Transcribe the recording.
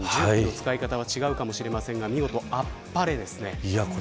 使い方は違うかもしれませんが見事あっぱれですね。